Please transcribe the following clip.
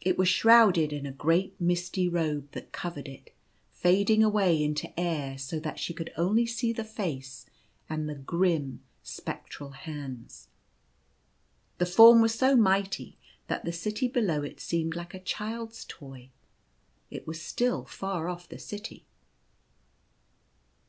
It was shrouded in a great misty robe that covered it, fading away into air so that she could only see the face and the grim, spectral hands. The Form was so mighty that the city below it seemed like a child's toy. It was still far off the city.